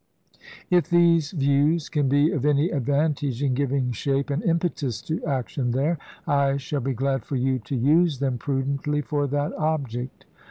If these views can be of any advantage in giving shape and impetus to action there, I shall be glad for you to use them prudently for that object.